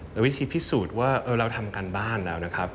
แต่วิธีพิสูจน์ว่าเราทำการบ้านแล้วนะครับ